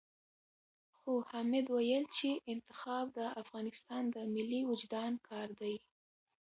خو حامد ويل چې انتخاب د افغانستان د ملي وُجدان کار دی.